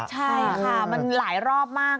ใช่ค่ะมันหลายรอบมาก